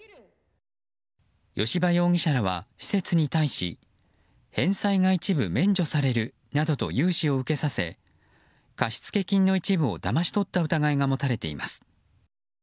吉羽容疑者らは施設に対し返済が一部免除されるなどと融資を受けさせ貸付金の一部をだまし取った疑いが持たれています。